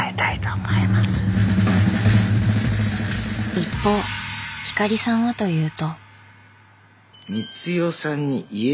一方光さんはというと。